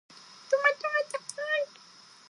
トマトが高い。